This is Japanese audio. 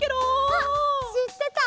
あっしってた？